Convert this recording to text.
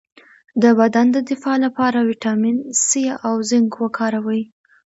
د بدن د دفاع لپاره ویټامین سي او زنک وکاروئ